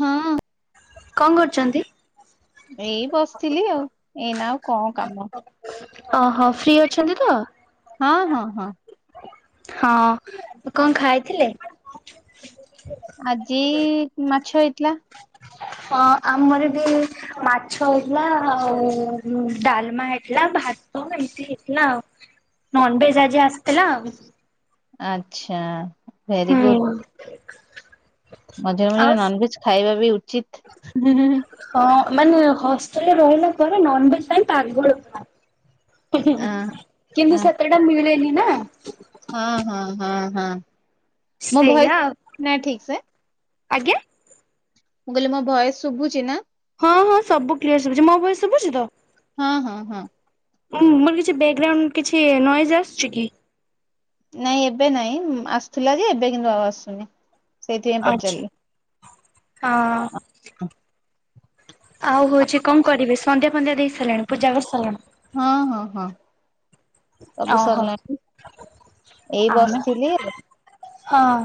ହଁ। କଣ କରୁଛନ୍ତି? ଏଇ ବସିଥିଲି ଆଉ ଏଇନା ଆଉ କଣ କାମ ଓହୋ ଫ୍ରି ଅଛନ୍ତି ତ? ହଁ ହଁ ହଁ। ହଁ କଣ ଖାଇଥିଲେ? ଆଜି ମାଛ ହେଇଥିଲା। ହଁ ଆମର ବି ମାଛ ହେଇଥିଲା ଆଉ ଡାଲମା ହେଇଥିଲା। ଭାତ ଏମିତି ହେଇଥିଲା ନନ ଭେଜ ଆଜି ଆସିଥିଲା। ଆଚ୍ଛା ଭେରି ହୁଁ। ଗୁଡ। [inaudible] ମଝିରେ ଆଉ ମଝିରେ ନନଭେଜ ଖାଇବା ବି ଉଚିତ। ହଁ ମାନେ ହଷ୍ଟେଲରେ ରହିଲା ପରେ ନନଭେଜ ପାଇଁ ପାଗଳ ପୁରା। ହଁ କିନ୍ତୁ ସେତେଟା ମିଳେନି ନା। ହଁ ହଁ ହଁ ହଁ ମୋ ସେଇଆ ଭୟସ ଆଉ ନା ଠିକ ସେ? ଆଜ୍ଞା? ମୁଁ କହିଲି ମୋ ଭୟସ ଶୁଭୁଛି ନା? ହଁ ହଁ ସବୁ କ୍ଲିୟର ଶୁଭୁଛି ମୋ ଭୟସ ଶୁଭୁଛି ତ? ହଁ ହଁ ହଁ। ମୋର କିଛି ବ୍ୟାକଗ୍ରାଉଣ୍ଡ କିଛି ନଏଜ ଆସୁଛି କି? ନାଇଁ ଏବେ ନାଇଁ ଆସୁଥିଲା ଯେ ଏବେ କିନ୍ତୁ ଆଉ ଆସୁନି ସେଇଥିପାଇଁ ଆଚ୍ଛା ପଚାରିଲି। ହଁ। ଆଉ ହଉଛି କଣ କରିବି ସନ୍ଧ୍ୟା ସନ୍ଧ୍ୟା ଦେଇ ସାରିଲାଣି ପୂଜା କରିସାରିଲାଣି? ହଁ ହଁ ହଁ। ସବୁ ଓହୋ ସରିଲାଣି ଏଇ ଆମେ ବସିଥିଲି ଆଉ। ହଁ।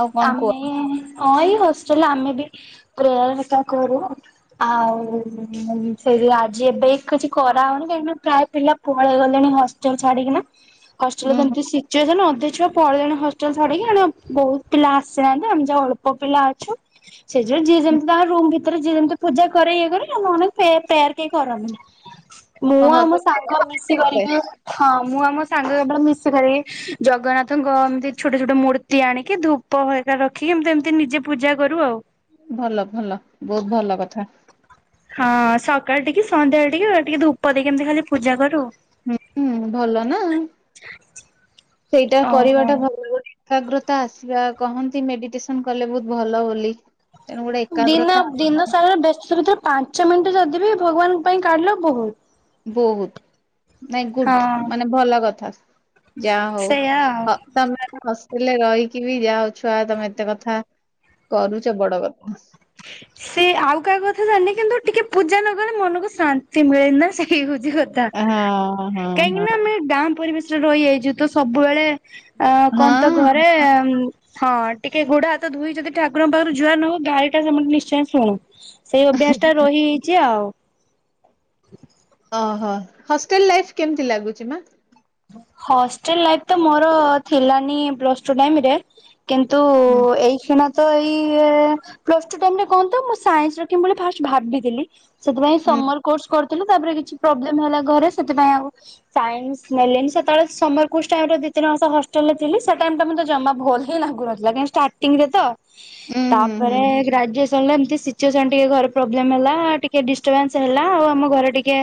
ଆଉ କଣ କୁହ ଆମେ ହଁ ଏଇ ହଷ୍ଟେଲରେ ଆମେ ବି ପ୍ରେୟାର ହେକା କରୁ ଆଉ ସେ ଆଜି ଏବେ କିଛି କରାହେଉନି କାହିଁକିନା ପ୍ରାୟ ପିଲା ପଳେଇ ଗଲେଣି ହଷ୍ଟେଲ ଛାଡିକିନା। ଉଁ ହୁଁ ହଷ୍ଟେଲତି ସିଜୀୟାର ହେଲା ଅଧେ ଛୁଆ ପଳେଇଲେ ହଷ୍ଟେଲ ଛଡିକି ବହୁତ ପିଲା ଆସିନାହାନ୍ତି ଆମେ ଯଉ ଅଳ୍ପ ପିଲା ଅଛୁ ସେଥିଉ ଯିଏ ଯେମିତି ତାଙ୍କ ରୁମ ଭିତରେ ଯିଏ ଯେମିତି ପୂଜା କର ଇଏ କର ଆମ ଅନକ ପ୍ରେୟାର କେହି କରନ୍ତିନି। ମୁଁ ଆମ ସାଙ୍ଗ ଓହୋ। ମିଶି କରିକି ହଁ ମୁଁ ଆମ ସାଙ୍ଗ କେବଳ ମିଶି କରିବି ଜଗନ୍ନାଥଙ୍କ ଏମିତି ଛୋଟ ଛୋଟ ମୂର୍ତ୍ତି ଆଣିକି ଧୂ ପହର ରଖିକି ଏମତି ଏମିତି ନିଜେ ପୂଜା କରୁ ଆଉ। ଭଲ ଭଲ ବହୁତ ଭଲ କଥା। ହଁ ସକାଳ ଟିକେ ସନ୍ଧ୍ୟାଳେ ଟିକେ ଟିକେ ଧୂପ ଦେଇ ଏମିତି ଖାଲି ପୂଜା କରୁ ହୁଁ ଭଲ ନାଁ ସେଇଟା ଓହୋ। କରିବାଟା ଭଲ ବୋଲି ଏକାଗ୍ରତା ଆସିବା କହନ୍ତି ମେଡିଟେସନ କଲେ ବହୁତ ଭଲ ବୋଲି। ତେଣୁ ଗୋଟେ ଦିନ ଏକାଗ୍ରତା ଦିନ ସାରା ବ୍ୟସ୍ତ ଭିତରେ ପାଞ୍ଚ ମିନିଟ ଯଦି ବିି ଭଗବାନଙ୍କ ପାଇଁ କାଢିଲ ବହୁତ। ବହୁତ ନାଇଁ ଗୁଡ୍ ହଁ ମାନେ ଭଲ କଥା। ଯାହା ହଉ ସେଇଆ ଆଉ। ତମ ହ ହେଲେ ରହିକି ବି ଯା ହ ଛୁଆ ତମେ ଏତେ କଥା କରୁଛ ବଡ କଥା। [unintelligible] ସେ ଆଉ କାହା କଥା ଜାଣିନି କିନ୍ତୁ ଟିକେ ପୂଜା ନ କଲେ ମନକୁ ଶାନ୍ତି ମିଳେନି ନା ସେଇ କଥା ହଁ ହଁ କାହିଁକି ହଁ। ନା ଆମେ ଗାଁ ପରିବେଶ ରହିଯାଇଛି ତ ସବୁବେଳେ ଅ କହନ୍ତ ହଁ ଘରେ ହଁ ଟିକେ ଗୋଡ ହାତ ଧୋଇ ଯଦି ଠାକୁରଙ୍କ ପାଖରୁ ଜୁହାର ନହୋଉ ଗାଲି ଟା ମାନେ ନିଚୟ ଶୁଣୁ। ସେଇ ଅଭ୍ୟାସ ଟା ରହି ହେଇଛି ଆଉ। ଓହୋ ହଷ୍ଟେଲ ଲାଇଫ କେମତି ଲାଗୁଛି ମା? ହଷ୍ଟେଲ ଲାଇଫ ତ ମୋର ଥିଲାନି ପ୍ଲସ ଟୁ ଟାଇମରେ କିନ୍ତୁ ହୁଁ ଏଇ କ୍ଷିଣା ତ ଏଇ ପ୍ଲସଟୁ ଟାଇମ ରେ କହନ୍ତୁ ମୁଁ [inaudible] ରଖମି ବୋଲି ମୁଁ ଭାବି ଥିଲି। ସେଥିପାଇଁ ହୁଁ ସମର କୋର୍ସ କରିଥିଲୁ ତାପରେ କିଛି ପ୍ରୋବ୍ଲେମ ହେଲା ଘରେ ସେଥିପାଇଁ ଆଉ ସାଇନ୍ସ ନେଲିନି ସେତେବେଳେ ସମର କୋଟାଇମ ରେ ଦି ତିିନି ମାସ ହଷ୍ଟେଲ ରେ ଥିଲି ସେ ଟାଇମ ଟା ମତେ ଜମା ଭଲ ହିଁ ଲାଗୁନଥିଲା। ଷ୍ଟାଟିଙ୍ଗ ରେ ତ ହୁଁ ହୁଁ ହୁଁ ତାପରେ ତ ଗ୍ରାଜୁଏସନ ସିଚୁଏସନ ଟିକେ ଘରେ ପ୍ରୋବ୍ଲେମ୍ ହେଲା ଟିକେ ଡିଷ୍ଟର୍ବାନ୍ସ ହେଲା ଆଉ ଆମ ଘରେ ଟିକେ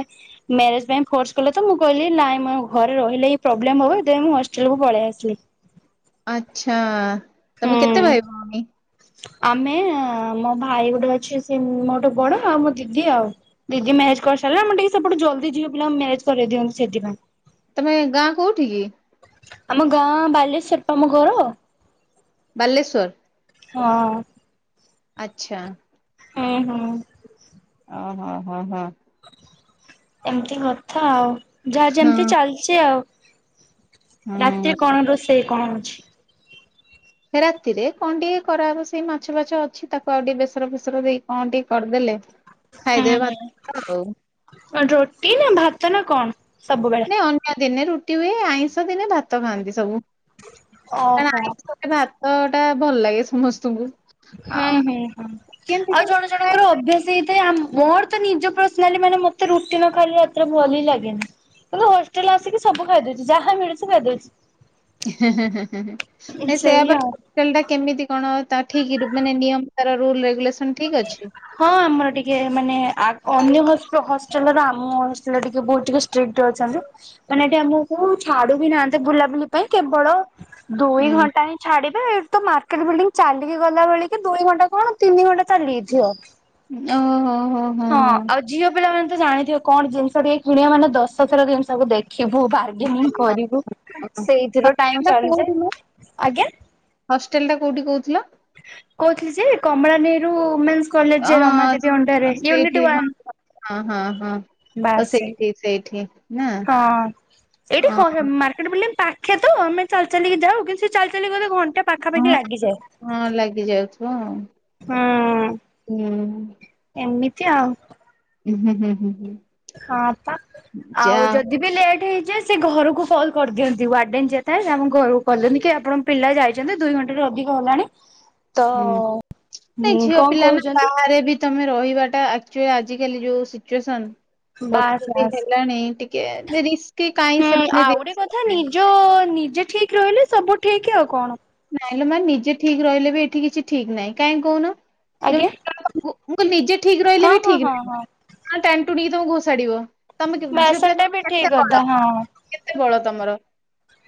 ମ୍ୟାରେଜ ପାଇଁ ଫୋର୍ସ ତ ମୁଁ କହିଲି ନାଇଁ ମ ଘରେ ରହିଲେ ପ୍ରୋବ୍ଲେମ ହବ ମୁଁ ହଷ୍ଟେଲକୁୁ ପଳେଇ ଆସିଲି। ଆଛା ତମେ କେତେ ହୁଁ ଭାଇ ଭଉଣୀ? ଆମେ ମୋ ଭାଇ ଗୋଟେ ଅଛି ସେ ମୋଠୁ ବଡ଼ ଆଉ ମୋ ଦିଦି ଆଉ ଦିଦି ମ୍ୟାରେଜ କରି ହେଲେ ଆମେ ସେପଟେ ଜଲଦିଝିଅ ପିଲା ମାରେଜ କରି ଦିଅନ୍ତି ଦିନ୍ତୁ ସେଥିପାଇଁ। ତମେ ଗାଁ କୋଉଠି କିଏ? ଆମ ଗାଁ ବାଲେଶ୍ଵରପା ଆମ ଘର ବାଲେଶ୍ଵର। ହଁ। ଆଚ୍ଛା। ହୁଁ ହୁଁ। ଓ ହୋ ହୋ ହୋ। ଏମିତି କଥା ଆଉ ଯାହା ଯେମିତି ଚାଲିଛି ଆଉ। ରାତିି ହଁ କଣ ରୋଷେଇ କଣ ଅଛି? ରାତିରେ କଣ ଟିକେ କରାହବ ସେଇ ମାଛ ବାଛ ଅଛି ତାକୁ ଆଉ ଟିକେ ବେସର ଫେସର ଦେଇ କଣ ଟିକେ କରିଦେଲେ ଖାଇଦେବେ ଭାତ ଆଉ ହୁଁ ରୁଟି ନାଁ ଭାତ ନାଁ କଣ? ସବୁବେଳେ ନାଇଁ ଅନ୍ୟ ଦିନେ ରୁଟି ହୁଏ ଆଇଁଷ ଦିନେ ଭାତ ଖାଆନ୍ତି ସବୁ କଣ ଓହୋ ଆଇଁଷ ଭାତ ଭାତ ଟା ଭଲ ଲାଗେ ସମସ୍ତଙ୍କୁ। ହୁଁ ଆଉ ହୁଁ ହୁଁ କେମିତି ଆଉ ଜଣ ଜଣଙ୍କର ଅଭ୍ୟାସ ହେଇ ସେ ଆମ ମୋର ତ ନିଜ ପର୍ସନାଲି ମାନେ ମତେ ରୁଟି ନ ଖାଇଲେ ରାତିରେ ଭଲ ହି ଲାଗେନି। ତୁ ହଷ୍ଟେଲ ଆସିକି ସବୁ ଖାଇଦଉଛି ଯାହା ମିଳୁଛି ଖାଇଦଉଛି। ହେଁ ହେଁ ହେଁ ସେଇଆ ପା ହଷ୍ଟଲା ଟା କେମିତି କଣ ଅ ତା ଠିକ ମାନେ ନିୟମ ତାର ରୁଲ ରେଗୁଲେସନ୍ ହଁ ଆମର ଟିକେ ମାନେ ଆ ଅନ୍ୟ ହଷ୍ଟେଲ ର ଆମ ହଷ୍ଟେଲ ଟିକେ ବହୁତ ଟିକେ ଷ୍ଟ୍ରିକଟ ଅଛନ୍ତି ମାନେ ଏଠି ଆମକୁ ଛାଡୁ ବିି ନାହନ୍ତି ବୁଲାବୁଲି ପାଇଁ କେବଳ ଦୁଇ ହୁଁ ଘଣ୍ଟା ହିଁ ଛାଡିବେ ଏଇଠି ତ ରକେଟ୍ ବିଲ୍ଡିଂ ଚାଲିକି ଗଲା ବେଳେକି ଦୁଇ ଘଣ୍ଟା କଣ ତିନି ଘଣ୍ଟା ଚାଲିଯାଇଥିବ। ଓହୋ ହୋ ହୋ ହଁ ଆଉ ଝିଅ ପିଲାମାନେ ଜାଣିଥିବ କଣ ଜିନିଷ ଟିକ କିଣିବା ମାନେ ଦଶଥର ଜିନିଷକୁ ଦେଖ ଦେଖିବୁ ବାର୍ଗେନିଂ ହଁ। କରିବୁ ସେଇଥିର ଟାଇମ ହଷ୍ଟେଲ ଟା ଚାଲିଯାଏ। କୋଉଠି ମ ଆଜ୍ଞା। ହଷ୍ଟେଲ ଟା କୋଉଠି କହୁଥିଲ? କହୁଥିଲି ଯେ କମଳାନେରୁ ଓମେନ୍ସ ଅ କଲେଜରେ ରମାଦେବୀ ଅଣ୍ଡରରେ ୟୁନିଟ ସେଇଠି ହଁ ୱାନ ହଁ ହଁ। ଓ ବାସ ସେଇଠି ସେଇଠି ନା ଏଇ ହଁ ଏଇଠି ମାର୍କେଟ ବିଲ୍ଡିଂ ପାଖ ଖେର୍ ତ ଆମେ ଚାଲି ଚାଲିକି ଯାଉ କିନ୍ତୁ ସେ ଚାଲି ଚାଲି ଗଲେ ଘଣ୍ଟା ପାଖାପାଖି ହଁ ଲାଗିଯାଏ। ହଁ ଲାଗି ଯାଉଥିବ ଆଉ। ହୁଁ ହୁଁ। ଏମିତି ଆଉ। ହୁଁ ହୁଁ ହୁଁ ହୁଁ। ହଁ ପା ଯା ଆଉ ଯଦି ବି ଲେଟ୍ ହେଇଛି ଯେ ସେ ଘରକୁ କଲ୍ କରିଦିଅନ୍ତି ୱାର୍ଡେନ ଯିଏ ଥାଏ। ସେ ଆମ ଘରକୁ କହିଦଅନ୍ତି କି ଆପଣ ପିଲା ଯାଇଛନ୍ତି ଦୁଇ ଘଣ୍ଟାରୁ ଅଧି ଅଧିକ ହେଲାଣି ତ ହୁଁ ନାଇ ଝିଅ କଣ ପିଲା ନା କହୁଛନ୍ତି ବାହାରେ ବି ତମେ ରହିବାଟା ଆଜିକାଲି ଯୋଉ ସିଚୁଏସନ ବାସ୍ ପରିସ୍ଥିତି ବାସ୍। ହେଲାଣି ଟିକେ ରିଷ୍କ୍ ହୁଁ ଆଉ ଗୋଟେ କଥା ନିଜ ନିଜେ ଠିକ ରହିଲେ ସବୁ ଠିକ ଆଉ କଣ। ନାଇଲୋ ମାଆ ନିଯେ ଠିକ ରହିଲେ ବି ଏଠି କିଛି ଠିକ ନାହିଁ। କାହିଁ କହୁନ? ଯୋଉ ଆଜ୍ଞା। ମୁଁ କହିଲି ନିଜେ ଠିକ ରହିଲେ ହଁ ବି ହଁ ଠିକ ହଁ ହଁ ନାହି ଟାଣିଟୁନି ତମକୁ ଘୋଷାଡିବ। ତମେ ବାସ୍ ଝିଅ ପିଲା ସେଟା ବି ତମ କେତେ ଠିକ କଥା ବଳ କେତେ ବଳ ତମର?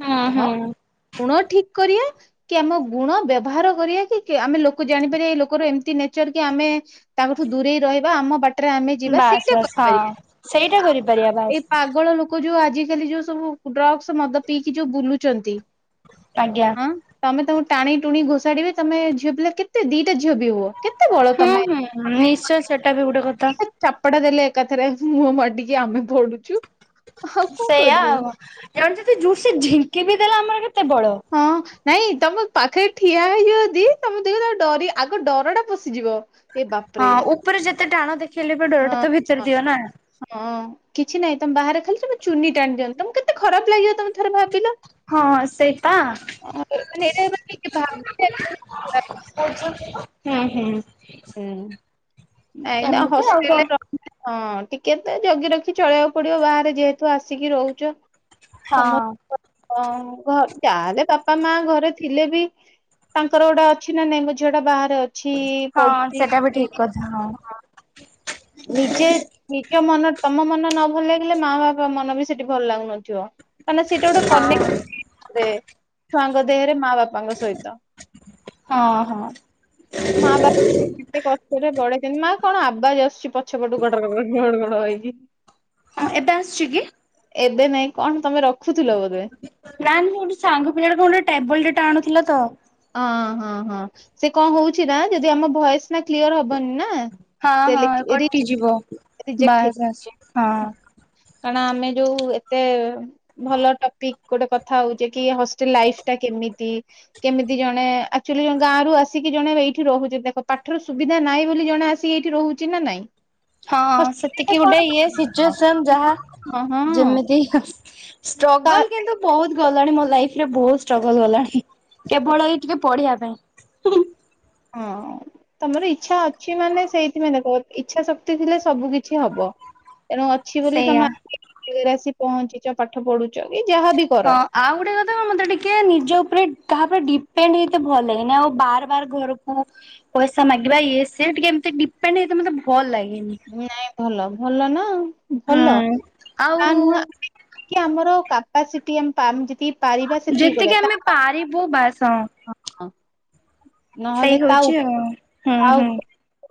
ହଁ ହୁଁ। ଗୁଣ ଠିକ କରିବା କି ଆମ ଗୁଣ ବ୍ୟବହାର କରିବା କି ଆମେ ଲୋକ ଜାଣିପାରିବା ଏଇ ଲୋକର ଏମତି ନେଚର କି ଆମେ ତାଙ୍କର ଠୁ ଦୂରେଇ ରହିବା ଆମ ବାଟ ଟରେ ଆମେ ଯିବା ବାସ୍ ସେଇଟା ବାସ୍ ହଁ ସେଇଟା କରିପାରିବା କରିପାରିବା ବାସ୍ ଏଇ ପାଗଳ ଲୋକ ଯୋଉ ଆଜି ଆଜିକାଲି ଯୋଉ ସବୁ ଡ୍ରଗ୍ସ ମଦ ପିଇକି ଯୋଉ ବୁଲୁଛନ୍ତି। ଆଜ୍ଞା। ହଁ ତମେ ତମକୁ ଟାଣି ଟୁଣି ଘୋଷାଡିବ ତମ ଝିଅ ପିଲା କେତେ ଦିଟା ଝିଅ ବି ହୁଅ କେତେ ବଳ ହୁଁ ତମେ ହୁଁ ନିଶ୍ଚୟ [unintelligible] ସେଟା ବି ଗୋଟେ କଥା। ଦିଟା ଚାପ୍ ଚପଡ଼ା ଦେଲେ ଏକାଥରେ ମୁହଁ ମାଡ଼ିକି ଆମେ ପଡୁଛୁ। ଆଉ କଣ ସେଇଆ କରିବୁ ଆଉ ଜଣେ ଯଦି ଜୋର୍ ସେ ଝିଙ୍କି ବି ଦେଲା ଆମର କେତେ ବଳ? ହଁ ନାଇଁ ତମ ପାଖରେ ଠିଆ ହେଇଯିବ ଯଦି ତମ ଦେଖ ଡରି ଆଗ ଡର ଟା ପଶିଯିବ। ଏ ବାପରେ ଏତେ ଟାଣ ଦେଖେଇଲେ ବି ଡରଟା ହଁ ତ ହଁ ଭିତରେ ଥିବ ନା? ହଁ କିଛି ନାହିଁ ତମ ବାହାରେ ଖାଲି ତମ ଚୁନି ଟାଣି ଦିଅନ୍ତୁ। ତମ କେତେ ଖରାପ ଲାଗିବ ତମ ଥରେ ଭାବିଲ। ହଁ ସେଇପା ମାନେ ଏଇଟା ଭାବିବା [unintelligible] ଖରାପ୍। ହୁଁ ହୁଁ। ହୁଁ ଏଇନା ଏମିତି ଆଉ କଣ ହଷ୍ଟେଲରେ [unintelligible] ହଁ। ଟିକେ ତ ଜଗି ରଖି ଚଳିବାକୁ ପଡିବ ବାହାରେ ଯେହେତୁ ଆସିକି ରହୁଚ। ହଁ। ହଁ ଘ ଯାହେଲେ ବାପା ମା ଘରେ ଥିଲେ ବି ତାଙ୍କର ଗୋଟେ ଅଛି ନା ନାଇଁ ମୋ ଝିଅ ଟା ବାହାରେ ଅଛି। ହଁ ସେଟା ବି ପଢୁଛି ଠିକ କଥା ହଁ। ନିଜେ ନିଜ ମନ ତମ ମନ ନ ଭଲ ଲାଗିଲେ ମା ବାପା ମନ ବି ସେଠି ଭଲ ଲାଗୁନଥିବ। କାଁ ନା ସେଇଟା ଗୋଟେ କନେକ୍ଟ ହଁ କରେ ଛୁଆଙ୍କ ଦେହରେ ମା ବାପାଙ୍କ ସହିତ। ହଁ ହଁ। ମା ବା ଏତେ କଷ୍ଟରେ ବଢେଇଚିନ୍ତି ମା କଣ ଆବାଜ ଆସୁଛି ପଛ ପଟୁ ଗଡର ଗଡର ଘଡ ଘଡ ହେଇକି? ହଁ ଏବେ ଆସୁଚି କି? ଏବେ ନାଇଁ କଣ ତମେ ରଖୁଥୁଲ ବୋଧେ? [unintelligible] ମୋର ଗୋଟେ ସାଙ୍ଗ ପିଲାଟେ କଣ ଗୋଟେ ଟେବୁଲ ଟେ ଆଣୁଥିଲା ତ। ହଁ ହଁ ହଁ ସେ କଣ ହଉଚି ନା ଯଦି ଆମ ଭଏସ ନା କ୍ଲିୟର ହବନି ନା ହଁ ସେ ହଁ ରିଜେକ୍ଟ କଟିଯିବ ବାସ୍ ହେଇଯାଉଛି। ବାସ୍ ହଁ। କାରଣ ଆମେ ଯୋଉ ଏତେ ଭଲ ଟପିକ ଗୋଟେ କଥା ହଉଚେ କି ହଷ୍ଟେଲ ଲାଇଫ ଟା କେମିତି କେମିତି ଜଣେ ଆକ୍ଚୁଆଲି ଗାଁ ରୁ ଆସିକି ଜଣେ ଏଇଠି ରହୁଚି ଦେଖ ପାଠର ସୁବିଧା ନାଇଁ ବୋଲି ଜଣେ ଆସି ଏଇଠି ରହୁଚି ନା ନାଇଁ? ହଁ ହଷ୍ଟେଲରେ ସେତିକି କଣ ଗୋଟେ ଇଏ ପାଇବ? ସିଚୁଏସନ ଯାହା ହଁ ହଁ ଯେମିତି ହଁ କାହା ଷ୍ଟ୍ରଗଲ କିନ୍ତୁ ବହୁତ ଗ ଜାଣେ ମୋ ଲାଇଫ ରେ ବହୁତ ଷ୍ଟ୍ରଗଲ ଗଲାଣି କେବଳ ଏଇ ଟିକେ ପଢିବା ପାଇଁ ହିଁ ହିଁ। ହଁ। ତମର ଇଚ୍ଛା ଅଛି ମାନେ ସେଇଥିପାଇଁ ଦେଖ ଇଛା ଶକ୍ତି ଥିଲେ ସବୁ କିଛି ହବ। ତେଣୁ ଅଛି ବୋଲି ସେଇଆ। ତମେ [unintelligible] ଆସି ପହଞ୍ଚିଚ ପାଠ ପଢୁଚ। ହଁ ଆଉ ଗୋଟେ କଥା କଣ ମତେ ଟିକେ ନିଜ ଉପରେ କାହାଉପରେ ଡିପେଣ୍ଡ ହେଇତେ ଭଲ ଲାଗେନି ଆଉ ବାର ବାର ଘରକୁ ପଇସା ମାଗିବା ଇଏ ସି ଟିକେ ଡିପେଣ୍ଡ ହେଇତ ମତେ ଭଲ ଲାଗେ ନାଇଁ ଭଲ ଭଲ ନା ଭଲ ହୁଁ ଆଉ ତା ନୁହଁ କି ଆମର କାପାସିଟି ଆମ୍ ପାମ୍ ଯେ ତି ପାରିବା ସେତିକି ଯେତିକି କରିବା। ଆମେ ତାର ପାରିବୁ ବାସ ହଁ ହଁ। ସେଇ ହଉଚି ଆଉ ହୁଁ ଆଉ ହୁଁ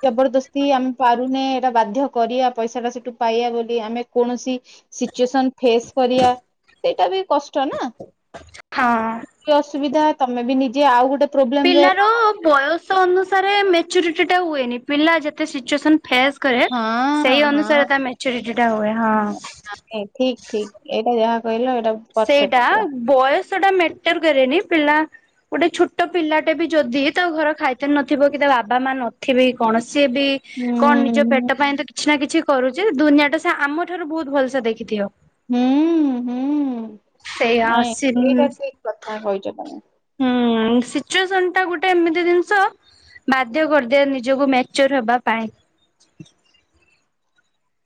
ଜବରଦସ୍ତି ଆମେ ପାରୁନେ ଏଟା ବାଧ୍ୟ କରିବା ପଇସା ଟା ସେଟୁ ପାଇବା ବୋଲି ଆମେ କୌଣସି ସିଚୁଏସନ୍ ଫେସ୍ କରିବା ସେଇଟା ବି କଷ୍ଟ ନା। ହଁ। କି ଅସୁବିଧା ତମେ ବି ନିଜେ ଆଉ ଗୋଟେ ପ୍ରୋବ୍ଲେମ ରେ ପିଲାର ବୟସ ଅନୁସାରେ ମେଚୁରିଟି ଟା ହୁଏନି। ପିଲା ଯେତେ ସିଚୁଏସନ୍ ଫେସ୍ କରେ ହଁ ସେଇ ହଁ ଅନୁସାରେ ତା ମେଚୁରିଟି ଟା ହୁଏ ହଁ। ଠିକ୍ ଠିକ୍ ଏଇଟା ଯାହା କହିଲ ଏଇଟା ପରଫେକ୍ଟ ସେଇଟା ପୁରା ବୟସ ଟା ମେଟର କରେନି। ପିଲା ଗୋଟେ ଛୋଟ ପିଲାଟେ ବି ଯଦି ତା ଘର ଖାଇତେ ନଥିବ କି ତା ବାବା ମା ନଥିବେ କଣ ସିଏ ବି କଣ ନିଜ ହୁଁ ପେଟ ପାଇଁ ତ କିଛି ନା କିଛି କରୁଚି ଦୁନିଆ ଟା ସେ ଆମଠାରୁ ବହୁତ ଭଲସେ ଦେଖିଥିବ। ହୁଁ ହୁଁ ସେଇଆ ନାଇ ସି ଏଇଟା ଠିକ୍ କଥା କଇଚ ତମେ। ହୁଁ ସିଚୁଏସନ ଟା ଗୋଟେ ଏମିତି ଜିନିଷ ବାଧ୍ୟ କରିଦିଏ ନିଜକୁ ମେଚର ହେବା ପାଇଁ।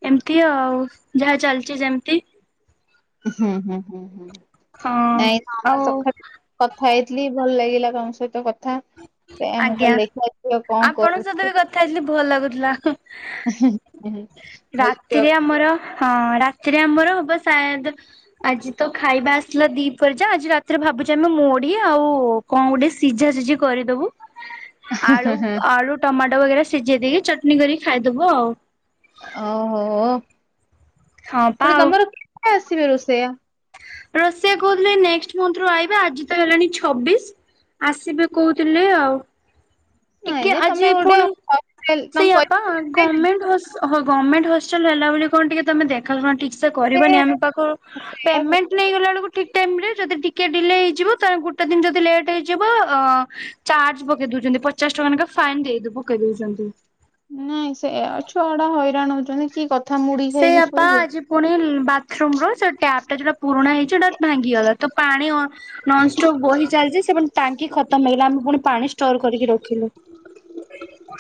ଏମିତି ଆଉ ଯାହା ଚାଲିଚି ଯେମତି। ହୁଁ ହୁଁ ହୁଁ ହୁଁ ହଁ ନାଇଁ ଆମ ଆଉ [unintelligible] କଥା ହେଇଥିଲି ଭଲ ଲାଗେ। [unintelligible] ତମ ସହିତ କଥା, ସେୟା ମୁଁ ଆଜ୍ଞା। କହିଲି ଦେଖିବା ଝିଅ କଣ ଆପଣଙ୍କ ସହିତ ବି କରୁଚି। କଥା ହେଇଥିଲି [inaudible] [inaudible] କହିଲି ଝିଅ ରାତିରେ ଆମର ହଁ, ରାତିରେ ଆମର ହବ ସାୟଦ୍ ଆଜି ତ ଖାଇବା ଆସିଲା ଦିପରେ ଯା ଆଜି ରାତିରେ ଭାବ [unintelligible] ଚି ଆମେ ମୁଢି ଆଉ କଣ ଗୋଟେ ସିଝା ସିଝି କରିଦବୁ। ଆଳୁ, ଆଳୁ ଟମାଟୋ ବଗେରା ସିଝେଇ ଦେଇକି ଚଟନି କରିକି ଖାଇଦବୁ ଆଉ। ଓ ହୋ! ହଁ ପା ଆଉ ଏ ଆସିବେ ରୋଷେୟା। ସେ କହୁଥିଲେ ନେଷ୍ଟ୍ ମନ୍ଥ୍ ରୁ ଆଇବେ, ଆଜି ତ ହେଲାଣି ଛବିଶ ଆସିବେ କହୁଥିଲେ ଆଉ ନାଇଁ ଟିକେ ଯେ ତମେ ଆଜି ଗୋଟେ ପୁଣି ହଷ୍ଟେଲ ତମ ସେଇଆପା ପଇସା ଦେଇକି ଗମେଣ୍ଟ୍ ହସ ହ ଗମେଣ୍ଟ୍ ହଷ୍ଟେଲ ହେଲା ବୋଲି, କଣ ଟିକେ ତମେ ଦେଖାଶୁଣା ଠିକ୍ ସେ କରିବନି, ଆମ ପାଖ ପେମେଣ୍ଟ ନେଇଗଲା ବେଳକୁ ଠିକ୍ ଟାଇମ ରେ ଯଦି ଟିକେ ଡିଲେ ହେଇଯିବ, ତା ଗୋଟେ ଦିନ ଯଦି ଲେଟ୍ ହେଇଯିବ ଚାର୍ଜ ପକେଇ ଦୋଉଛନ୍ତି। ପ ପଚାଶ ଟଙ୍କା ନେଖା ଫାଇନ୍ ଦେଇ ପକେଇଦଉଛନ୍ତି। ନାଇଁ ସେୟା ଛୁଆଗୁଡା ହଇରାଣ ହଉଛନ୍ତି କି କ ସେଇଆପା ଆଜି ପୁଣି ବାଥରୁମ୍ ର ସେ ଟ୍ୟାପ ଟା ଯଉଟା ପୁରୁଣା ହେଇଛି, ହେଟା ଭାଙ୍ଗିଗଲା ତ ପାଣି ନନଷ୍ଟପ୍ ବୋହି ଚାଲିଛି ସେପଟେ ଟାଙ୍କି ଖତମ୍ ହେଇଗଲା। ଆମେ ପୁଣି ପାଣି ଷ୍ଟୋର କରିକି ର ଖିଲୁ।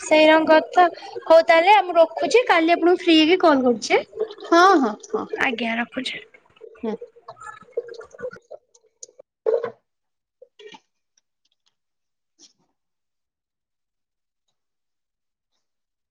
ସେଇଆ କଥା ହୋଉ ତାହେଲେ ଆ ମୁଁ ରଖୁଛି, କାଲି ଆପଣଙ୍କୁ ଫ୍ରି ରେ କଲ୍ କରୁ ଚି ହଁ ହଁ ହଁ ଆଜ୍ଞା, ରଖୁଚି। ହୁଁ [inaudible] [inaudible]